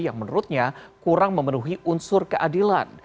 yang menurutnya kurang memenuhi unsur keadilan